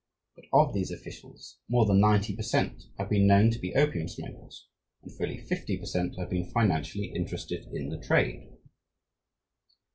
But of these officials, more than ninety per cent. have been known to be opium smokers, and fully fifty per cent. have been financially interested in the trade.